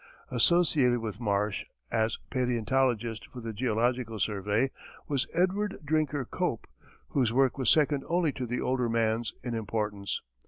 Associated with Marsh as paleontologist for the Geological Survey was Edward Drinker Cope, whose work was second only to the older man's in importance.